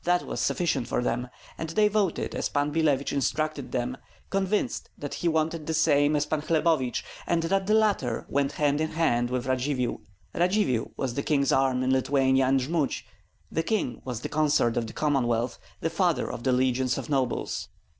That was sufficient for them; and they voted as Pan Billevich instructed them, convinced that he wanted the same as Pan Hlebovich, and that the latter went hand in hand with Radzivill. Radzivill was the king's arm in Lithuania and Jmud; the king was the consort of the Commonwealth, the father of the legion of nobles.